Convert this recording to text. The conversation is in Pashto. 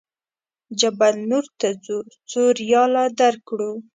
جبل نور ته ځو څو ریاله درکړو.